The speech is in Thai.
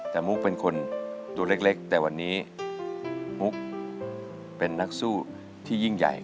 แต่มุกเป็นคนตัวเล็กแต่วันนี้มุกเป็นนักสู้ที่ยิ่งใหญ่